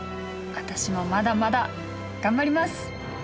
私もまだまだ頑張ります！